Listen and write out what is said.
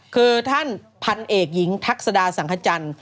คือท่านพันเอกหญิงทักษดาสังขจันทร์